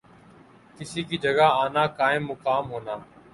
کسی کی جگہ آنا، قائم مقام ہونا